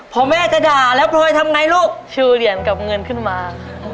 พอแม่ก็ด่าแล้วโปรย์ทำอย่างไรลูกชูเหรียญกับเงินขึ้นมา